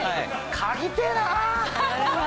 かぎてえな。